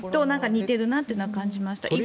似ているなというのは感じました。